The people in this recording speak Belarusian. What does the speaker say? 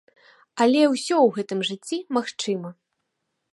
Але ўсё ў гэтым жыцці магчыма.